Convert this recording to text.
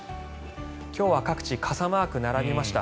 今日は各地傘マークが並びました。